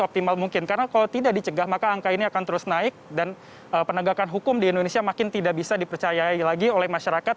karena kalau tidak dicegah maka angka ini akan terus naik dan penegakan hukum di indonesia makin tidak bisa dipercayai lagi oleh masyarakat